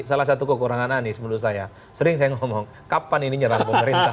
salah satu kekurangan anies menurut saya sering saya ngomong kapan ini nyerang pemerintah